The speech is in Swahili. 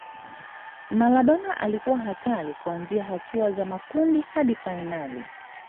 maradona alikuwa hatari kuanzia hatua za makundi hadi fainali